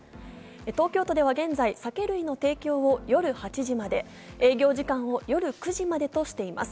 東京都では現在、酒類の提供を夜８時まで、営業時間を夜９時までとしています。